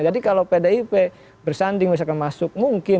jadi kalau pdip bersanding bisa masuk mungkin